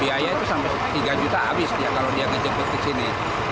biaya itu sampai tiga juta habis dia kalau dia ngejemput ke sini